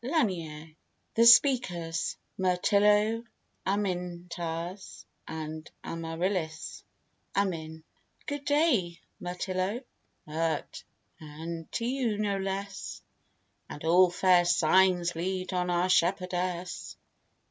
LANIERE THE SPEAKERS: MIRTILLO, AMINTAS, AND AMARILLIS AMIN. Good day, Mirtillo. MIRT. And to you no less; And all fair signs lead on our shepherdess.